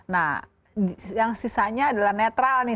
nah yang sisanya adalah netral nih